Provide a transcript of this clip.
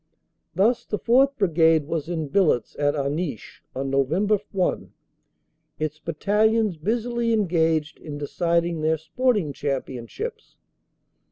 Thus the 4th. Brigade was in billets at Aniche on Nov. 1, its Battalions busily engaged in deciding their sport ing championships.